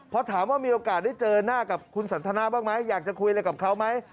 พอถามว่ามีโอกาสได้เจอหน้ากับคุณสันทนาบ้างไหมอยากจะคุยอะไรกับเขาไหม